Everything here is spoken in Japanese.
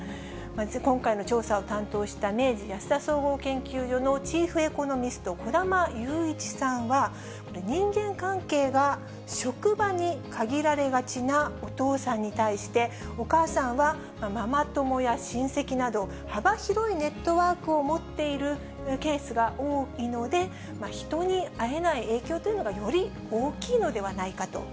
今回の調査を担当した、明治安田総合研究所のチーフエコノミスト、小玉祐一さんは、人間関係が職場に限られがちなお父さんに対して、お母さんはママ友や親戚など、幅広いネットワークを持っているケースが多いので、人に会えない影響というのがより大きいのではないかと。